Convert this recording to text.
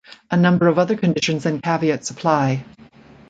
A number of other conditions and caveats apply.